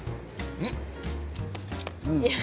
うん。